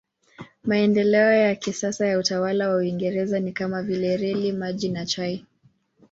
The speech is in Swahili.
Maendeleo ya kisasa ya utawala wa Uingereza ni kama vile reli, maji na chai.